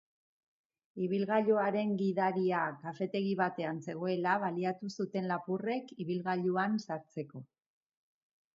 Ibilgailuaren gidaria kafetegi batean zegoela baliatu zuten lapurrek ibilgailuan sartzeko.